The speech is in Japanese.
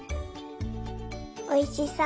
おいしそう。